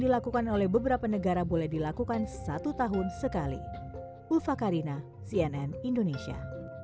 dilakukan oleh beberapa negara boleh dilakukan satu tahun sekali ulfa karina cnn indonesia